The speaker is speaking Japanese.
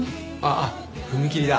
あっ踏切だ。